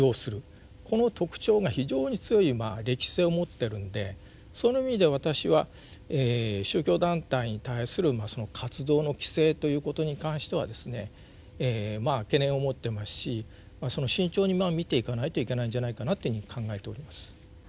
この特徴が非常に強い歴史性を持ってるんでその意味で私は宗教団体に対する活動の規制ということに関してはですね懸念を持ってますし慎重に見ていかないといけないんじゃないかなというふうに考えております。